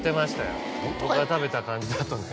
僕が食べた感じだとね。